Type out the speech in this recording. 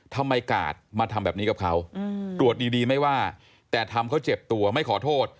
กาดมาทำแบบนี้กับเขาตรวจดีไม่ว่าแต่ทำเขาเจ็บตัวไม่ขอโทษ